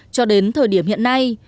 cho đến thời điểm hiện nay